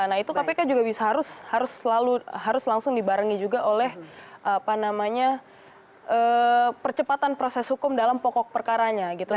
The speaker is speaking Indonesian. nah itu kpk juga bisa harus selalu harus langsung dibarengi juga oleh percepatan proses hukum dalam pokok perkaranya gitu